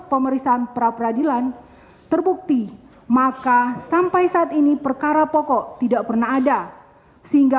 pemeriksaan pra peradilan terbukti maka sampai saat ini perkara pokok tidak pernah ada sehingga